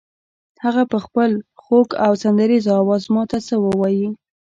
هغه به په خپل خوږ او سندریزه آواز ماته څه ووایي.